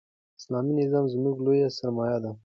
اسلامي نظام زموږ لویه سرمایه ده.